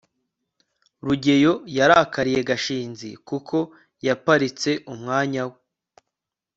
rugeyo yarakariye gashinzi kuko yaparitse umwanya we